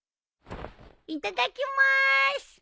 いただきます！